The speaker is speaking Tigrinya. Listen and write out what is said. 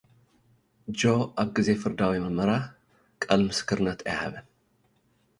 ጆ፡ ኣብ ግዜ ፍርዳዊ መርመራ ቃል-ምስክርንት ኣይሃበን።